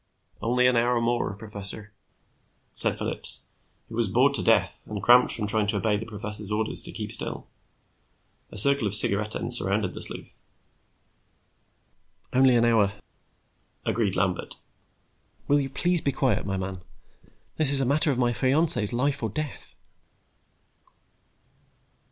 "Only an hour more, professor," said Phillips, who was bored to death and cramped from trying to obey the professor's orders to keep still. A circle of cigarette ends surrounded the sleuth. "Only an hour," agreed Lambert. "Will you please be quiet, my man? This is a matter of my fiancée's life or death."